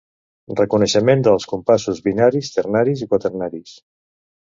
Reconeixement dels compassos binaris, ternaris i quaternaris.